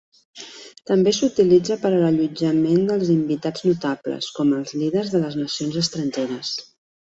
També s'utilitza per a l'allotjament dels invitats notables, com els líders de les nacions estrangeres.